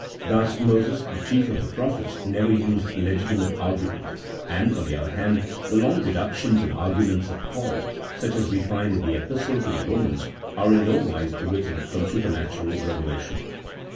Thus Moses, the chief of the prophets, never used legitimate argument, and, on the other hand, the long deductions and arguments of Paul, such as we find in the Epistle to the Eomans, are in nowise written from supernatural revelation.